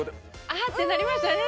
あってなりましたね。